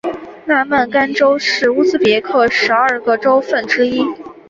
纳曼干州是乌兹别克十二个州份之一。